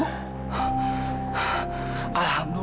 tunduk liat kabutan